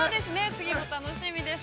◆次も楽しみです。